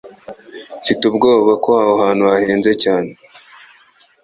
Mfite ubwoba ko aho hantu hahenze cyane.